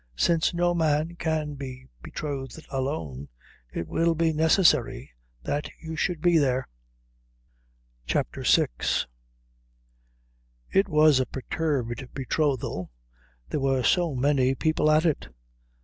Since no man can be betrothed alone, it will be necessary that you should be there_." CHAPTER VI It was a perturbed betrothal, there were so many people at it.